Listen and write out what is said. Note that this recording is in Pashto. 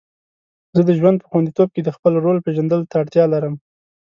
زه د ژوند په خوندیتوب کې د خپل رول پیژندلو ته اړتیا لرم.